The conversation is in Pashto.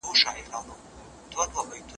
ناهیلي زړه هیڅکله بریا تجربه نه شي کولی.